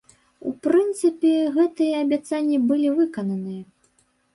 У прынцыпе, гэтыя абяцанні былі выкананыя.